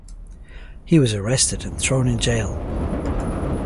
He was arrested and thrown in jail.